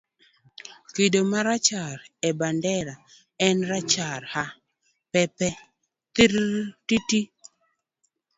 Kido marachar e bandera en rachar. ha . pe pe . thirrr tititi